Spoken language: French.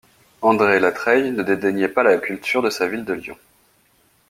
André Latreille ne dédaignait pas la culture de sa ville de Lyon.